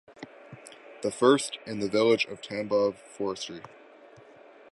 The first - in the village of Tambov Forestry.